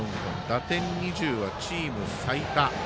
打点２０はチーム最多。